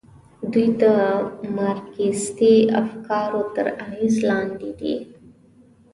دوی د مارکسیستي افکارو تر اغېز لاندې دي.